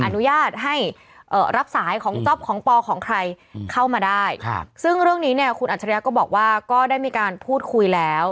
อนุญาตให้รับสายของจ๊อปของปอของใครเข้ามาได้ซึ่งเรื่องนี้เนี่ยคุณอัจฉริยะก็บอกว่าก็ได้มีการพูดคุยแล้ว